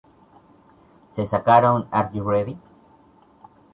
Se sacaron Are You Ready?